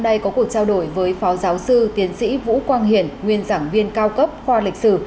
hôm nay có cuộc trao đổi với phó giáo sư tiến sĩ vũ quang hiển nguyên giảng viên cao cấp khoa lịch sử